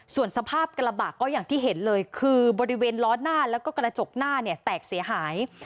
ส่วนสภาพกระบะก็อย่างที่เห็นเลยคือบริเวณล้อหน้าแล้วก็กระจกหน้าเนี่ยแตกเสียหาย